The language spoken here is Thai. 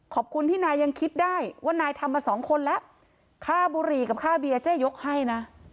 ขอบคุณที่นายยังคิดได้ว่านายทำมาสองคนแล้วค่าบุหรี่กับค่าเบียร์เจ๊ยกให้นะ